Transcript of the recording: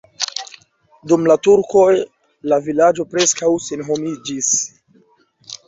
Dum la turkoj la vilaĝo preskaŭ senhomiĝis.